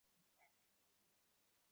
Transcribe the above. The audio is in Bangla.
এর অর্থ কী, বাবা?